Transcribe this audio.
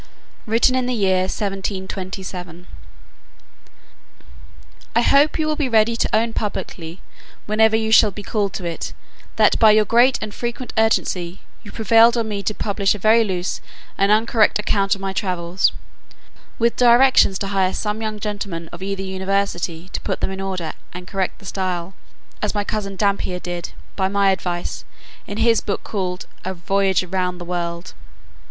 Written in the Year 1727. I hope you will be ready to own publicly, whenever you shall be called to it, that by your great and frequent urgency you prevailed on me to publish a very loose and uncorrect account of my travels, with directions to hire some young gentleman of either university to put them in order, and correct the style, as my cousin Dampier did, by my advice, in his book called "A Voyage round the world."